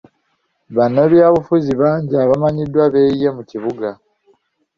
Bannabyabufuzi bangi abamanyiddwa beeyiye mu kibuga.